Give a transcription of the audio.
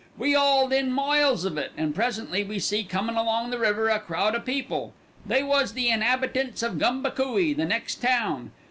We 'auled in miles of it, an' presently we see comin' along the river a crowd o' people; they was the in'abitants of Gumbacooe, the next town.